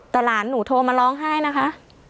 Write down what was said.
แต่หลานหนูโทรมาร้องไห้นะคะ